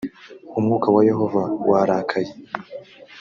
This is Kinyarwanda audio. umwuka wa yehova warakaye